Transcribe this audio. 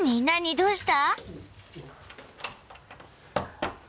どうした？